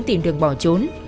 tìm được bỏ trốn